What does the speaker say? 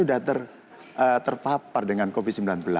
sudah terpapar dengan covid sembilan belas